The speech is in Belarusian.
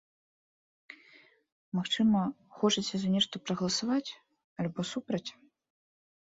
Магчыма, хочаце за нешта прагаласаваць, альбо супраць?